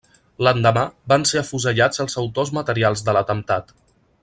L'endemà van ser afusellats els autors materials de l'atemptat.